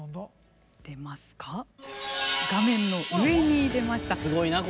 画面の上に出ました。